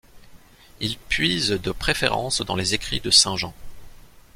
Il puise de préférence dans les écrits de saint Jean.